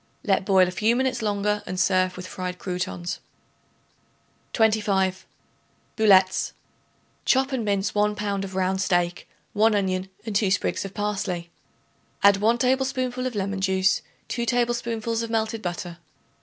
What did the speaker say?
Let boil a few minutes longer and serve with fried croutons. 25. Boulettes. Chop and mince 1 pound of round steak, 1 onion and 2 sprigs of parsley. Add 1 tablespoonful of lemon juice, 2 tablespoonfuls of melted butter.